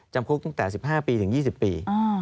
จำคุกตั้งแต่๑๕ปีถึง๒๐ปี